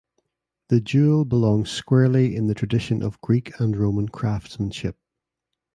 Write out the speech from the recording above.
The jewel belongs squarely in the tradition of Greek and Roman craftsmanship.